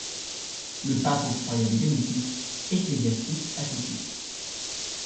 Le pape octroya des bénéfices ecclésiastiques à ses fils.